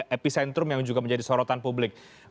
epicentrum yang juga menjadi sorotan publik